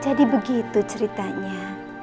jadi begitu ceritanya